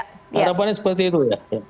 harapannya seperti itu ya